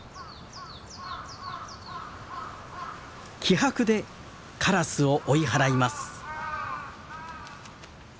気迫でカラスを追い払います。